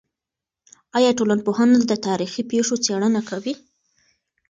آیا ټولنپوهنه د تاریخي پېښو څېړنه کوي؟